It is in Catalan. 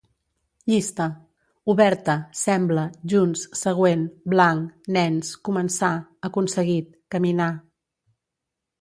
Llista: oberta, sembla, junts, següent, blanc, nens, començar, aconseguit, caminar